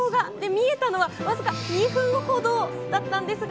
見えたのは僅か２分ほどだったんですが。